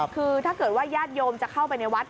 คือถ้าเกิดว่าญาติโยมจะเข้าไปในวัด